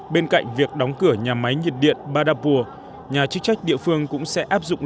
bên cạnh việc đóng cửa nhà máy nhiệt điện badapua nhà chức trách địa phương cũng sẽ áp dụng